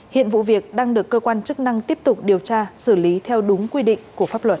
hiện vụ việc đang được cơ quan chức năng tiếp tục điều tra xử lý theo đúng quy định của pháp luật